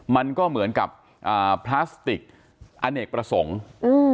มันก็เหมือนกับอ่าพลาสติกอเนกประสงค์อืม